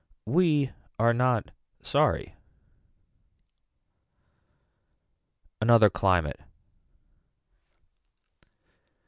We are not sorry. Another climate.